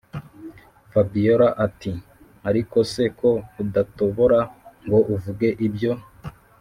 fabiora ati”ariko se ko udatobora ngo uvuge ibyo